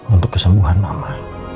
untuk kesembuhan mama